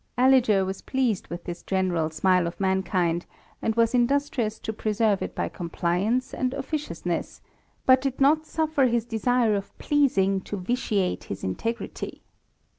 Aliger was pleased with this general smile of mankind, and was industrious to preserve it by compliance and officiousness, but did not suffer his desire of pleasing to vitiate his integrity.